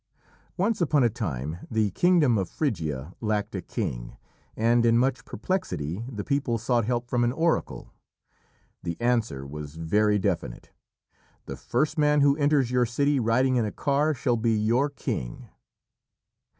Once upon a time the kingdom of Phrygia lacked a king, and in much perplexity, the people sought help from an oracle. The answer was very definite: "The first man who enters your city riding in a car shall be your king."